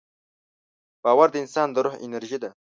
باور د انسان د روح انرژي ده.